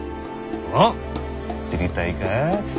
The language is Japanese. おっ知りたいか？